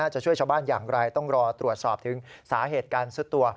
จะช่วยชาวบ้านอย่างไรต้องรอตรวจสอบถึงสาเหตุการซุดตัว